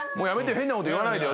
変なこと言わないでよ。